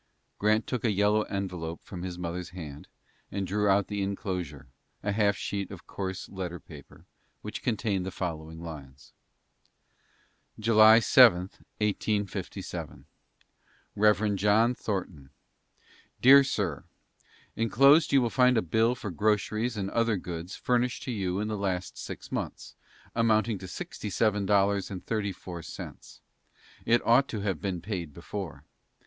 Grant took a yellow envelope from his mother's hand, and drew out the inclosure, a half sheet of coarse letter paper, which contained the following lines: "July 7, 1857. REV. JOHN THORNTON: DEAR SIR: Inclosed you will find a bill for groceries and other goods furnished to you in the last six months, amounting to sixty seven dollars and thirty four cents ($67.34). It ought to have been paid before.